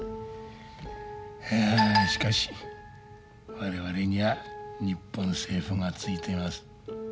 ああしかし我々には日本政府がついています。